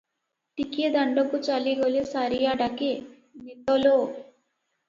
ଟିକିଏ ଦାଣ୍ତକୁ ଚାଲିଗଲେ ସାରିଆ ଡାକେ, 'ନେତଲୋ' ।